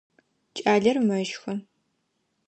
Кӏалэр мэщхы.